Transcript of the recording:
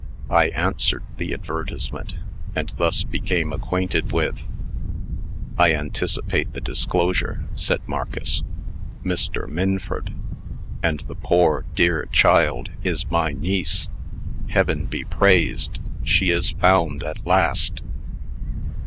I answered the advertisement, and thus became acquainted with " "I anticipate the disclosure," said Marcus. "Mr. Minford! And the poor, dear child is my niece. Heaven be praised, she is found at last!"